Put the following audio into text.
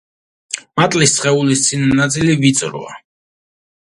მატლის სხეულის წინა ნაწილი ვიწროა.